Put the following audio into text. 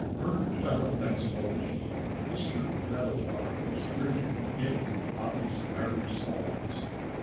Perched on a fence post, Mr. Meadowlark was drinking in Bobby's merry songs.